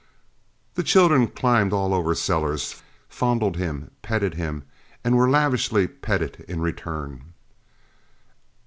The children climbed all over Sellers, fondled him, petted him, and were lavishly petted in return.